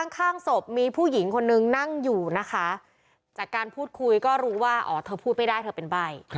ข้างศพมีผู้หญิงคนนึงนั่งอยู่นะคะจากการพูดคุยก็รู้ว่าอ๋อเธอพูดไม่ได้เธอเป็นใบ้